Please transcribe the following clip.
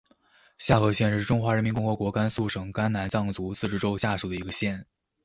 夏河县是中华人民共和国甘肃省甘南藏族自治州下属的一个县。